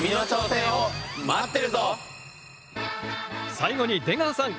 最後に出川さん